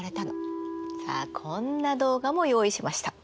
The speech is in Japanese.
さあこんな動画も用意しました。